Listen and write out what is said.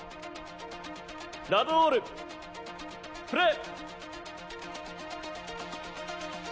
ラブオールプレー！